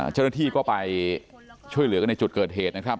เจ้าหน้าที่ก็ไปช่วยเหลือกันในจุดเกิดเหตุนะครับ